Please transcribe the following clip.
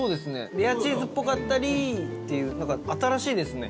レアチーズっぽかったりっていうなんか、新しいですね。